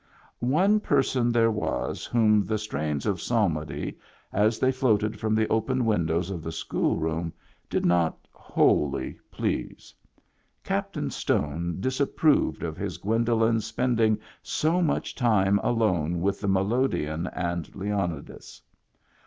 One person there was whom the strains of psalmody, as they floated from the open windows of the school room, did not wholly please. Cap tain Stone disapproved of his Gwendolen's spend ing so much time alone with the melodeon and Leonidas.